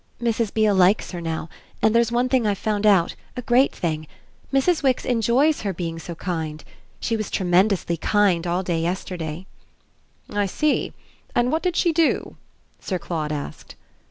"Mrs. Beale likes her now; and there's one thing I've found out a great thing. Mrs. Wix enjoys her being so kind. She was tremendously kind all day yesterday." "I see. And what did she do?" Sir Claude asked.